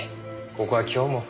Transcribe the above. ここは今日も。